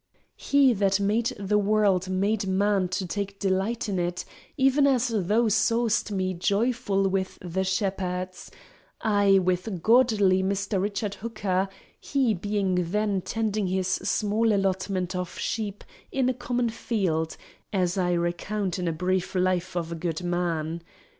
He that made the world made man to take delight in it; even as thou saw'st me joyful with the shepherds—ay, with godly Mr. Richard Hooker, "he being then tending his small allotment of sheep in a common field," as I recount in a brief life of a good man.